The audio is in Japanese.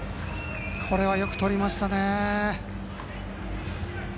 これは、よくとりましたね。